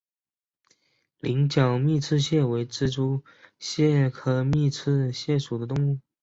羚角密刺蟹为蜘蛛蟹科密刺蟹属的动物。